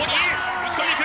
打ち込んで行く。